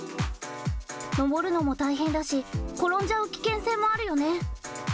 上るのも大変だし転んじゃう危険性もあるよね。